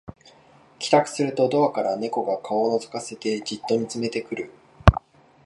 帰宅するとドアから猫が顔をのぞかせてじっと見つめてくる